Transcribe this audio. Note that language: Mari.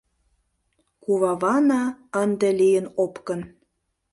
Кувавана ынде лийын опкын.